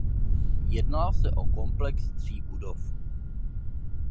Jednalo se o komplex tří budov.